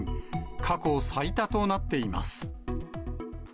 過去最多となっています。